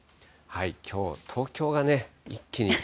きょう、東京がね、一気に。